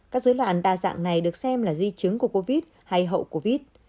các dối loạn đa dạng này được xem là di chứng của covid hay hậu covid